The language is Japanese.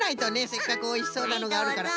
せっかくおいしそうなのがあるから。